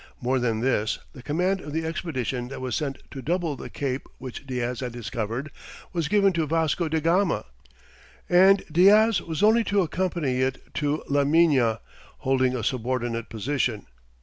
More than this the command of the expedition that was sent to double the cape which Diaz had discovered, was given to Vasco da Gama, and Diaz was only to accompany it to La Mina holding a subordinate position.